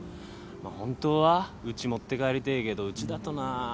まっ本当はうち持って帰りてえけどうちだとな。